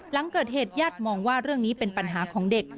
หลังเกิดเหตุญาติมองว่าเรื่องนี้เป็นปัญหาของเด็ก